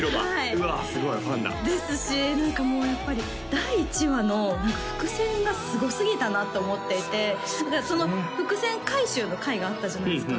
うわっすごいファンだですし何かもうやっぱり第１話の伏線がすごすぎたなって思っていてその伏線回収の回があったじゃないですか？